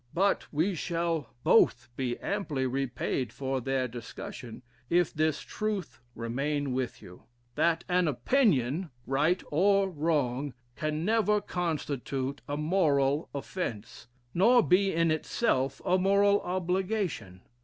"But we shall both be amply repaid for their discussion, if this truth remain with you that an opinion, right or wrong, can never constitute a moral offence, nor be in itself a moral obligation.